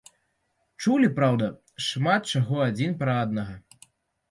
Чулі, праўда, шмат чаго адзін пра аднаго.